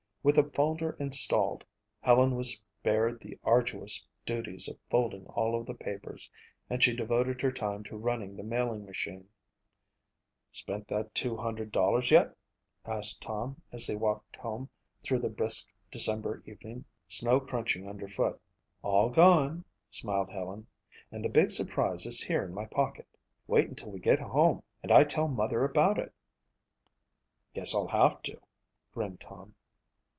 With the folder installed, Helen was spared the arduous duties of folding all of the papers and she devoted her time to running the mailing machine. "Spent that $200 yet?" asked Tom as they walked home through the brisk December evening, snow crunching underfoot. "All gone," smiled Helen, "and the big surprise is here in my pocket. Wait until we get home and I tell mother about it." "Guess I'll have to," grinned Tom.